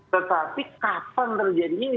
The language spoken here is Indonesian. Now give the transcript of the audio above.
tetapi kapan terjadi ini